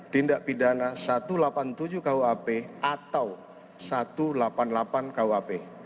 tindak pidana satu ratus delapan puluh tujuh kuap atau satu ratus delapan puluh delapan kuap